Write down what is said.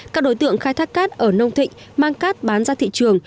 các đối tượng khai thác cát ở nông thịnh mang cát bán ra thị trường